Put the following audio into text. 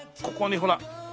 ここにほら。